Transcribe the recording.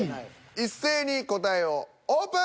一斉に答えをオープン。